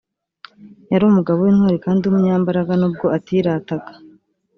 yari umugabo w’intwari kandi w’umunyambaraga n’ubwo atirataga